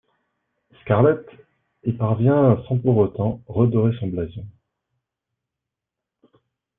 Scarlett y parvient sans pour autant redorer son blason.